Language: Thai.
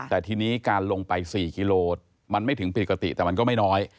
แต่ทีนี้การลงไป๔กิโลมันไม่ถึงปกติแต่มันก็ไม่น้อย